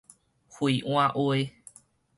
惠安話